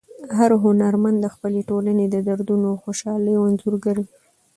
هر هنرمند د خپلې ټولنې د دردونو او خوشحالیو انځورګر وي.